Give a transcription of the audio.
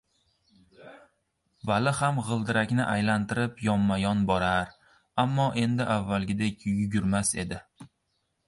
Vali ham g‘ildiragini aylantirib yonma-yon borar, ammo endi avvalgidek yugurmas edik.